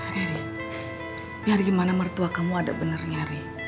riri biar gimana mertua kamu ada benernya riri